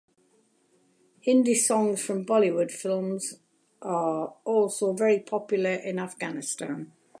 Hindi songs from Bollywood films are also very popular in Afghanistan.